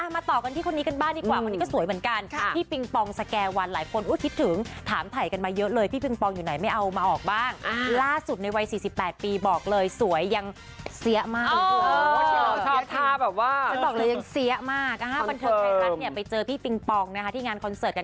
มาต่อกันที่คนนี้กันบ้างดีกว่าวันนี้สวยเหมือนกัน